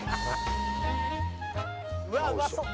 「うわあうまそう」